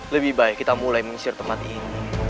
lebih baik kita mulai mengusir tempat ini